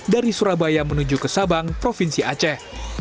dari surabaya menuju ke sabang provinsi aceh